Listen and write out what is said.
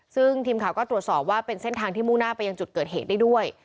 ซึ่งทีมข่าวก็ตรวจสอบว่าเป็นเส้นทางที่มุ่งหน้าไปยังจุดเกิดเหตุได้ด้วย